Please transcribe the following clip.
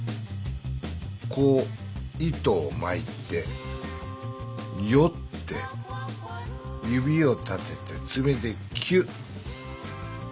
こう糸をまいてよって指を立ててつめでキュッ。